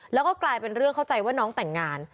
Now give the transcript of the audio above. แล้วก็กลายเป็นเรื่องเข้าใจว่าน้องแต่งงาน